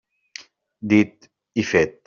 Dit i fet.